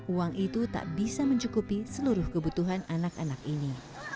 uang itu tak bisa mencukupi seluruh kebutuhan anak anak ini